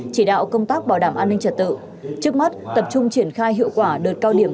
chỉ đạo công tác bảo đảm an ninh trật tự trước mắt tập trung triển khai hiệu quả đợt cao điểm